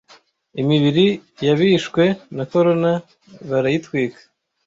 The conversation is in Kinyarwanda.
Imibiri yabishwe na corona barayitwika